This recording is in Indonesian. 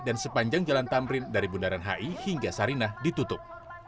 dan sepanjang jalan tamrin dari bundaran hi hingga sarinah ditutup